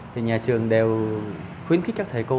thì nhà trường đều khuyến khích các thầy cô